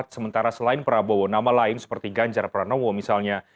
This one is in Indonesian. sementara selain prabowo nama lain seperti ganjar pranowo misalnya